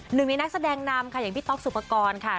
หนึ่งในนักแสดงนำค่ะอย่างพี่ต๊อกสุปกรณ์ค่ะ